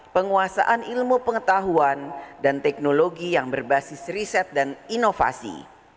penguasaan ilmu pengetahuan dan teknologi yang berbasis riset dan inovasi